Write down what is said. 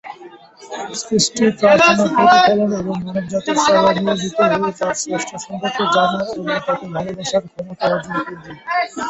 সৃষ্টি প্রার্থনা, প্রতিফলন, এবং মানবজাতির সেবায় নিয়োজিত হয়ে তাঁর স্রষ্টা সম্পর্কে জানার এবং তাকে ভালোবাসার ক্ষমতা অর্জন করবে।